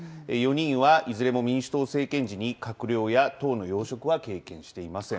４人はいずれも民主党政権時に閣僚や党の要職は経験していません。